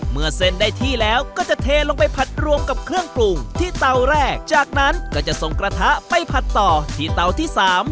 เมื่อเส้นได้ที่แล้วก็จะเทลงไปผัดรวมกับเครื่องปรุงที่เตาแรกจากนั้นก็จะส่งกระทะไปผัดต่อที่เตาที่๓